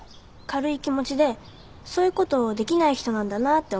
軽い気持ちでそういうことできない人なんだなって思って。